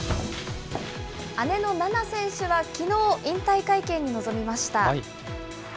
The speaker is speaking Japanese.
姉の菜那選手は、きのう引退会見に臨みました。